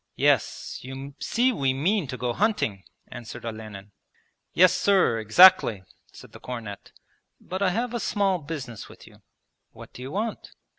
'Yes, you see we mean to go hunting,' answered Olenin. 'Yes, sir, exactly,' said the cornet, 'but I have a small business with you.' 'What do you want?'